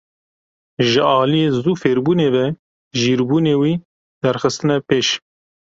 Ji aliyê zûfêrbûnê ve jîrbûnê wî derdixiste pêş.